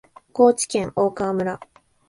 高知県大川村